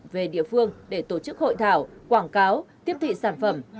về địa phương để tổ chức hội thảo quảng cáo tiếp thị sản phẩm